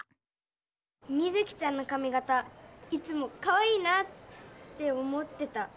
ミズキちゃんのかみ形いつもかわいいなって思ってた。